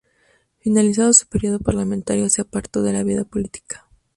Finalizado su período parlamentario, se apartó de la vida política.